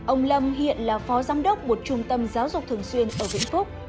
ông lâm hiện là phó giám đốc một trung tâm giáo dục thường xuyên ở vĩnh phúc